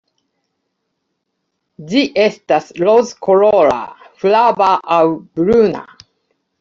Ĝi estas rozkolora, flava aŭ bruna.